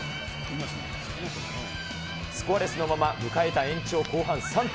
スコアレスのまま迎えた延長後半３分。